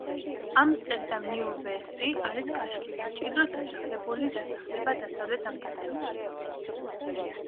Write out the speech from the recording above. ამსტერდამ-ნიუ-ვესტი არის გაშლილი, მჭიდროდ დასახლებული დასახლება დასავლეთ ამსტერდამში.